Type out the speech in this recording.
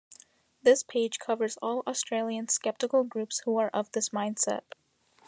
This page covers all Australian skeptical groups who are of this mindset.